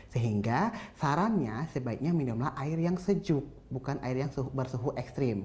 sehingga sarannya sebaiknya minumlah air yang sejuk bukan air yang bersuhu ekstrim